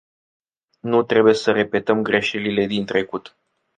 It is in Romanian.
Nu trebuie să repetăm greșelile din trecut.